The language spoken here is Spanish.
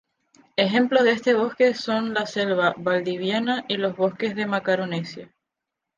Ejemplos de este bosque son la selva valdiviana y los bosques de Macaronesia.